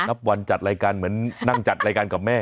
นับวันจัดรายการเหมือนนั่งจัดรายการกับแม่